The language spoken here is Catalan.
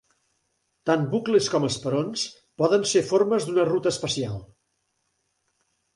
Tant bucles com esperons poden ser formes d'una ruta especial.